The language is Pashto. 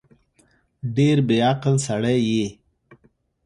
ډېر بیعقل سړی یې